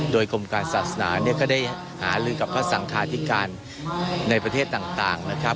โดยกรมการศาสนาเนี่ยก็ได้หาลือกับพระสังคาธิการในประเทศต่างนะครับ